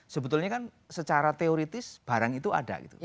sebetulnya kan secara teoritis barang itu ada gitu